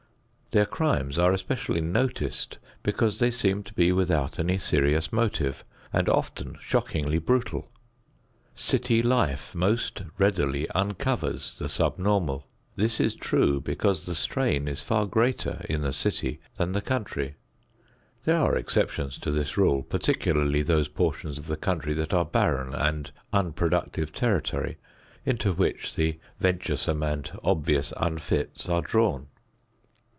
Their crimes are especially noticed because they seem to be without any serious motive and often shockingly brutal. City life most readily uncovers the sub normal. This is true because the strain is far greater in the city than the country. There are exceptions to this rule, particularly those portions of the country that are barren and unproductive territory into which the venturesome and obvious unfits are drawn.